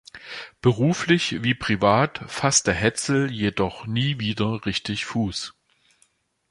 Beruflich wie privat fasste Hetzel jedoch nie wieder richtig Fuß.